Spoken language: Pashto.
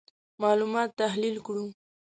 معلومات تحلیل کړو.